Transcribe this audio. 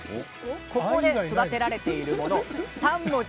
ここで育てられているもの